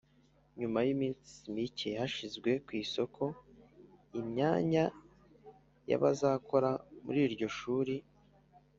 nyuma y’iminsi micye hashyizwe ku isoko imyanya y’abazakora muri iryo shuri,